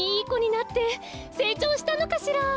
せいちょうしたのかしら。